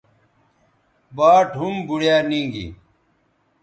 باٹ ھُم بوڑیا نی گی